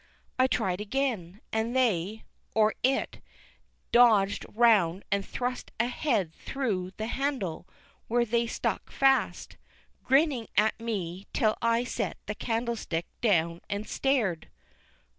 I tried again, and they, or it, dodged round and thrust a head through the handle, where they stuck fast, grinning at me till I set the candlestick down and stared.